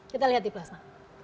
kita lihat di plasma